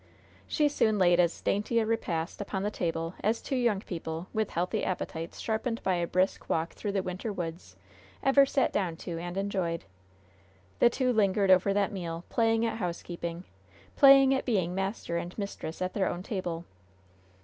She soon laid as dainty a repast upon the table as two young people, with healthy appetites sharpened by a brisk walk through the winter woods, ever sat down to and enjoyed. The two lingered over that meal, playing at housekeeping, playing at being master and mistress at their own table.